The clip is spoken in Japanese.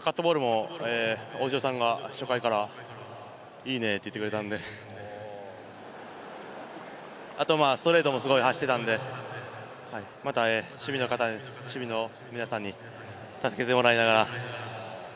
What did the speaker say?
カットボールも大城さんが初回からいいねって言ってくれたんで、あと、まぁストレートもすごい走ってたんで、また守備の方、守備の皆さんに助けてもらいながら。